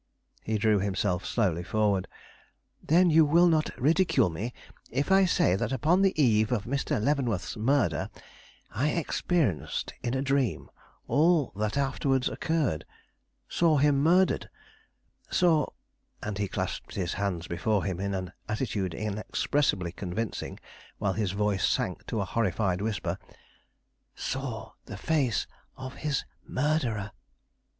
He drew himself slowly forward. "Then you will not ridicule me if I say that upon the eve of Mr. Leavenworth's murder I experienced in a dream all that afterwards occurred; saw him murdered, saw" and he clasped his hands before him, in an attitude inexpressibly convincing, while his voice sank to a horrified whisper, "saw the face of his murderer!"